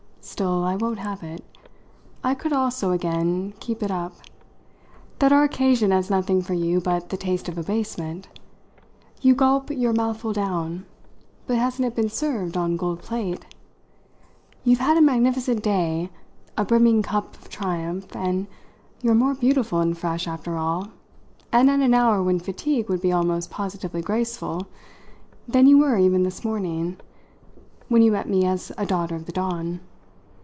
Still, I won't have it" I could also, again, keep it up "that our occasion has nothing for you but the taste of abasement. You gulp your mouthful down, but hasn't it been served on gold plate? You've had a magnificent day a brimming cup of triumph, and you're more beautiful and fresh, after it all, and at an hour when fatigue would be almost positively graceful, than you were even this morning, when you met me as a daughter of the dawn.